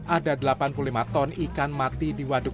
ada delapan puluh lima ton ikan mati di waduk